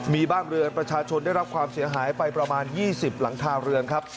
มีบ้านเรือนประชาชนได้รับความเสียหายไปประมาณ๒๐หลังคาเรือนครับ